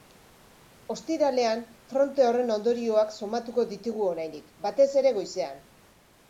Ostiralean fronte horren ondorioak sumatuko ditugu oraindik, batez ere goizean.